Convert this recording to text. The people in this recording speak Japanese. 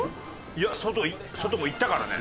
いや外も行ったからね。